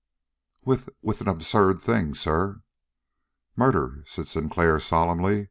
"With with an absurd thing, sir." "Murder!" said Sinclair solemnly.